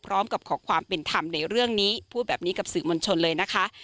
พร้อมกับขอความเป็นธรรมในเรื่องนี้พูดแบบนี้กับสื่อมวลชนเลยนะคะ